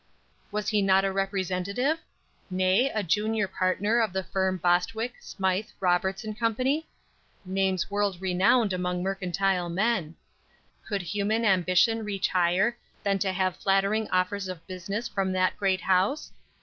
Was he not a representative? nay, a junior partner of the firm of Bostwick, Smythe, Roberts & Co.? Names world renowned among mercantile men. Could human ambition reach higher than to have flattering offers of business from that great House?